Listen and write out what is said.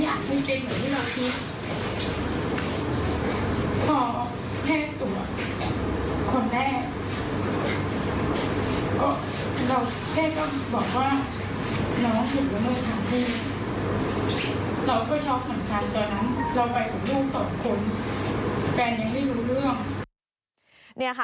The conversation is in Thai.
เราก็ชอบสำคัญตอนนั้นเราไปกับโรงพยาบาลสอบส่วนแปลงยังไม่รู้เรื่อง